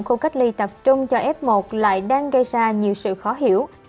khu cách ly tập trung cho f một lại đang gây ra nhiều sự khó hiểu